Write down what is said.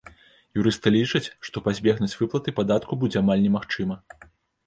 Юрысты лічаць, што пазбегнуць выплаты падатку будзе амаль немагчыма.